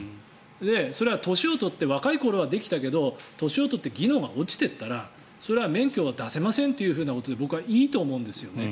それは年を取って若い頃はできたけど年を取って技能が落ちていったらそれは免許は出せませんということで僕はいいと思うんです。